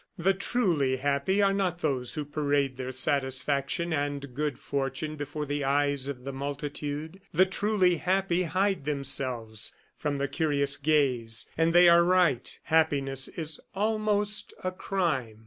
The truly happy are not those who parade their satisfaction and good fortune before the eyes of the multitude. The truly happy hide themselves from the curious gaze, and they are right; happiness is almost a crime.